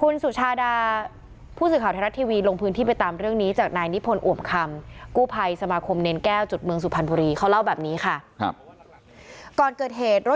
คุณสุชาดาผู้สื่อข่าวไทยรัฐทีวีลงพื้นที่ไปตามเรื่องนี้